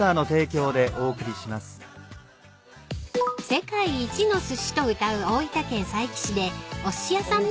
［世界一のすしとうたう大分県佐伯市でおすし屋さん